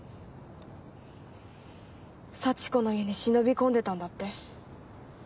幸子の家に忍び込んでたんだって？